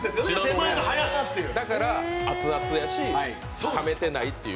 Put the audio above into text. だから熱々やし、冷めてないっていう。